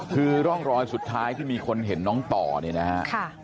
คือร่องรอยสุดท้ายที่มีคนเห็นน้องต่อเนี่ยนะฮะ